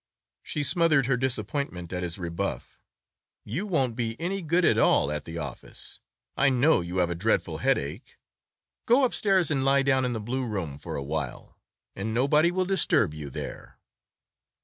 She smothered her disappointment at his rebuff. "You won't be any good at all at the office; I know you have a dreadful headache. Go upstairs and lie down in the blue room for a while, and nobody will disturb you there."